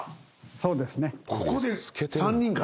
そうですね。